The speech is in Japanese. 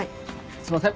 すみません。